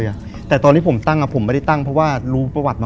คือก่อนอื่นพี่แจ็คผมได้ตั้งชื่อเอาไว้ชื่อเอาไว้ชื่อเอาไว้ชื่อ